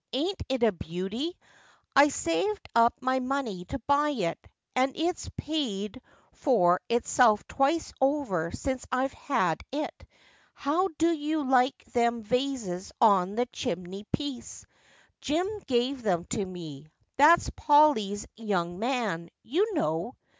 ' Ain't it a beauty ? I saved up my money to buy it, and it's paid for itself twice over since I've had it. How do you like them vases on the chimley piece ] Jim gave them to me ; that's Polly's young man, you know.'